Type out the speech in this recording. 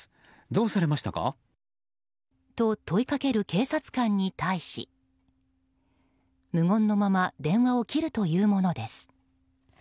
どうされましたか？と問いかける警察官に対し無言のまま電話を切るというものです。